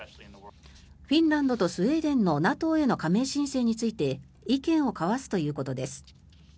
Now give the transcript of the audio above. フィンランドとスウェーデンのＮＡＴＯへの加盟申請について意見を交わすということです。